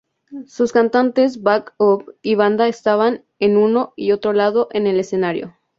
Sus cantantes back-up y banda estaban en uno y otro lado en el escenario.